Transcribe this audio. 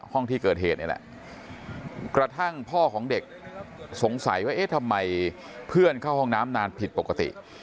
ห้องที่เกิดเหตุนี่แหละกระทั่งพ่อของเด็กสงสัยว่าเอ๊ะทำไมเพื่อนเข้าห้องน้ำนานผิดปกติ